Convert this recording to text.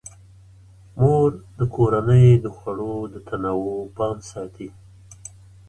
مور د کورنۍ د خوړو د تنوع پام ساتي.